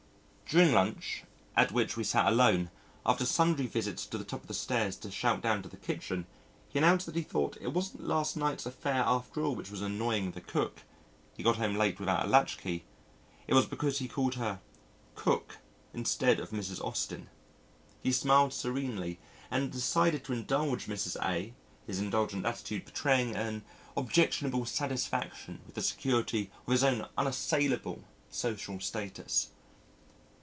During lunch (at which we sat alone) after sundry visits to the top of the stairs to shout down to the kitchen, he announced that he thought it wasn't last night's affair after all which was annoying the Cook (he got home late without a latch key) it was because he called her "Cook" instead of Mrs. Austin. He smiled serenely and decided to indulge Mrs. A., his indulgent attitude betraying an objectionable satisfaction with the security of his own unassailable social status.